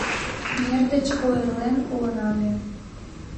Мер деч ойырлен улына ме...